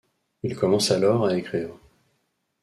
Il commence alors à écrire.